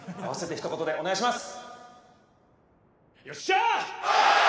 ひと言でお願いします！